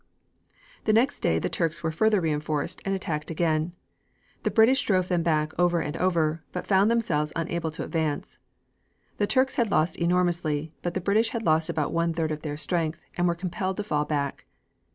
The next day the Turks were further reinforced and attacked again. The British drove them back over and over, but found themselves unable to advance. The Turks had lost enormously but the English had lost about one third of their strength, and were compelled to fall back.